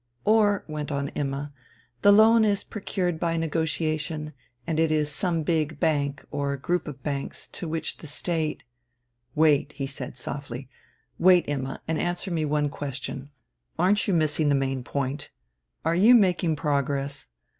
"Or," went on Imma, "the loan is procured by negotiation, and it is some big bank, or group of banks, to which the State ..." "Wait!" he said softly. "Wait, Imma, and answer me one question. Aren't you missing the main point? Are you making progress?